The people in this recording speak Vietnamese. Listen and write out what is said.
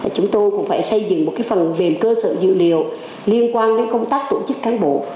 chúng tôi cũng phải xây dựng một phần về cơ sở dữ liệu liên quan đến công tác tổ chức cán bộ